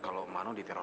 kalau mano ditemani